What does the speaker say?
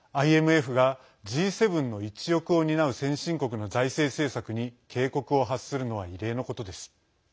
ＩＭＦが、Ｇ７の一翼を担う先進国の財政政策に警告を発するのは異例のことです。